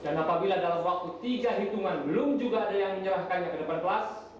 dan apabila dalam waktu tiga hitungan belum juga ada yang menyerahkannya ke depan kelas